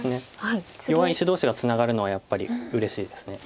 弱い石同士がツナがるのはやっぱりうれしいです。